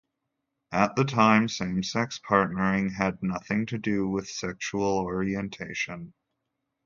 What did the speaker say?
At the time, same-sex partnering had nothing to do with sexual orientation.